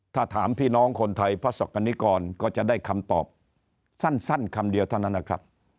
ถ้าถามพี่น้องคนไทยพระศักดิกรก็จะได้คำตอบสั้นคำเดียวเท่านั้นนะครับ